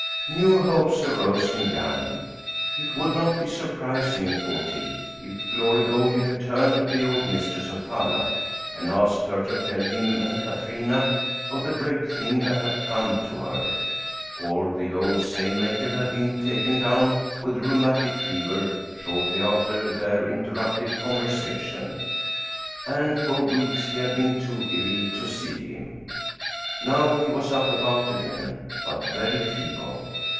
New hopes arose in Jan. It would not be surprising, thought he, if Glory Goldie had turned to the old mistress of Falla and asked her to tell him and Katrina of the great thing that had come to her. For the old seine maker had been taken down with rheumatic fever shortly after their interrupted conversation, and for weeks he had been too ill to see him. Now he was up and about again, but very feeble.